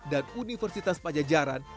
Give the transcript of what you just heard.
dan universitas pajajaran